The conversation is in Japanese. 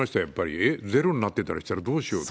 えっ、０になってたりしたらどうしようって。